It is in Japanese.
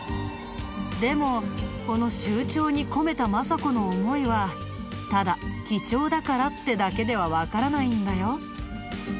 でもこの繍帳に込めた政子の思いはただ貴重だからってだけではわからないんだよ。